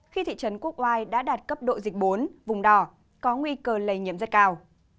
khi thị trấn quốc oai đã đạt cấp độ dịch bốn vùng đỏ có nguy cơ lây nhiễm rất cao